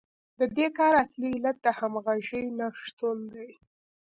د دې کار اصلي علت د همغږۍ نشتون دی